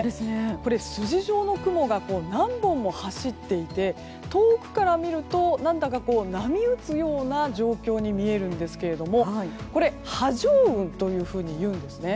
これ、筋状の雲が何本も走っていて遠くから見ると何だか波打つような状況に見えるんですけどこれ、波状雲というふうにいうんですね。